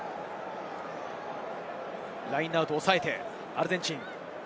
ラインアウトを抑えてアルゼンチン。